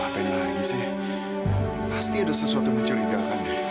apalagi sih pasti ada sesuatu menceritakan dia